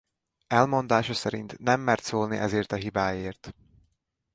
Elmondása szerint nem mert szólni ezért a hibáért.